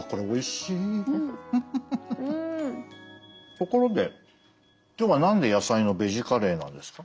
ところで今日は何で野菜のベジ・カレーなんですか？